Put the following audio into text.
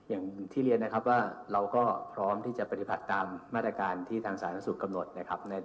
อย่างที่เรียนนะครับว่าเราก็พร้อมที่จะปฏิบัติตามมาตรการที่ทางสาธารณสุขกำหนดนะครับ